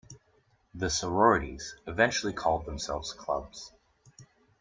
The sororities eventually called themselves Clubs.